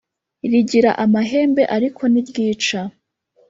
rigira amahembe ariko ntiryica